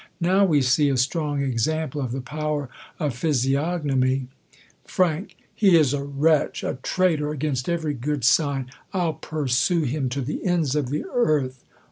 fow we see a strong example of the power of physi ognomy !" Fr, He is a wretch ! a traitor against every good sign! I'll pursue him to the ends of the earth.